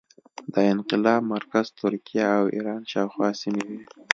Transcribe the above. د انقلاب مرکز ترکیه او ایران شاوخوا سیمې وې.